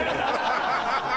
ハハハハ！